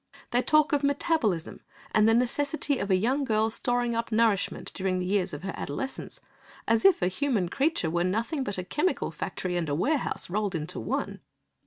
They talk of metabolism and the necessity of a young girl storing up nourishment during the years of her adolescence, as if a human creature were nothing but a chemical factory and warehouse rolled into one.